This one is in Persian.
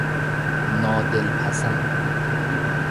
نادلپسند